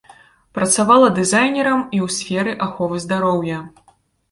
Працавала дызайнерам і ў сферы аховы здароўя.